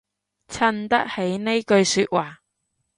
襯得起呢句說話